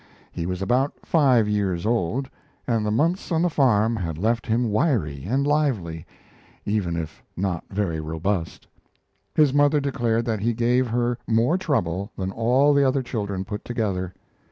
He was about five years old, and the months on the farm had left him wiry and lively, even if not very robust. His mother declared that he gave her more trouble than all the other children put together.